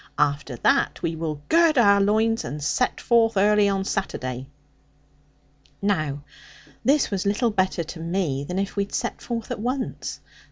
After that we will gird our loins, and set forth early on Saturday.' Now this was little better to me than if we had set forth at once.